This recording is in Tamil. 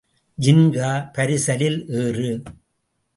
ஜின்கா, பரிசலில் ஏறு.